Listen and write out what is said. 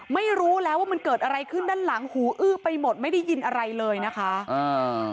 ไม่รู้แล้วว่ามันเกิดอะไรขึ้นด้านหลังหูอื้อไปหมดไม่ได้ยินอะไรเลยนะคะอ่า